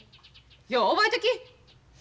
よう覚えとき！